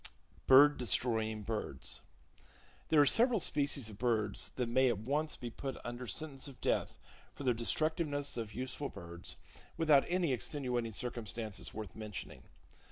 Bird Destroying Birds. —There are several species of birds that may at once be put under sentence of death for their destructiveness of useful birds, without any extenuating circumstances worth mentioning.